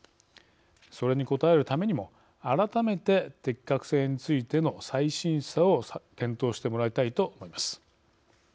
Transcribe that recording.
それに応えるためにも改めて適格性についての再審査を検討してもらいたいと思います。